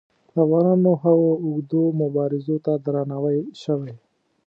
د افغانانو هغو اوږدو مبارزو ته درناوی شوی.